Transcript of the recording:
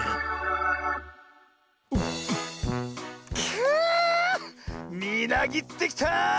くみなぎってきた！